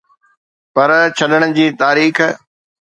پر ڇڏڻ جي تاريخ